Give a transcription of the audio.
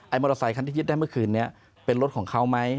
มอเตอร์ไซคันที่ยึดได้เมื่อคืนนี้เป็นรถของเขาไหม